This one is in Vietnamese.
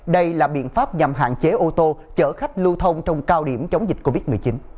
đây là biện pháp nhằm hạn chế ô tô chở khách lưu thông trong cao điểm chống dịch covid một mươi chín